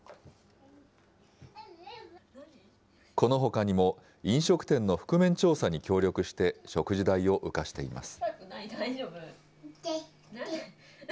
このほかにも、飲食店の覆面調査に協力して食事代を浮かしています。